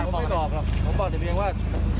ผมไม่บอกครับผมบอกเดี๋ยวเพียงว่า